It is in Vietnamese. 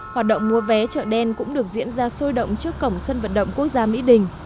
hoạt động mua vé chợ đen cũng được diễn ra sôi động trước cổng sân vận động quốc gia mỹ đình